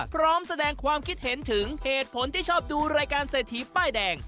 พร้อมแสดงความคิดเห็นถึงเหตุผลที่ชอบดูรายการเศรษฐีป้ายแดง